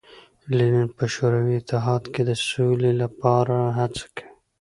لینین په شوروي اتحاد کې د سولې لپاره څه کوي.